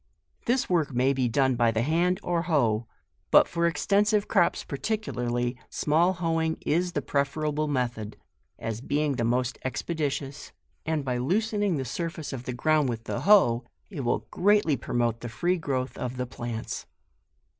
" This work may be done either by the hand or hoe ; but, for extensive crops particu larly, small hoeing is the preferable method, as being the most expeditious, and by loosening the surface of the ground with the hoe, it will greatly promote the free growth of the plants.